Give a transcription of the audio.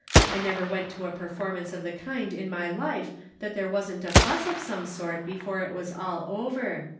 I never went to a performance of the kind in my life A Problem. 251 that there wasn't a fuss of some sort before it was all over.